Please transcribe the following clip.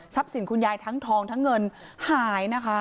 สินคุณยายทั้งทองทั้งเงินหายนะคะ